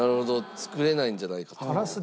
作れないんじゃないかと。